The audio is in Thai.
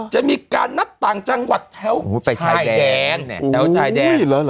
จะมีการนัดต่างจังหวัดแถวไทยแดง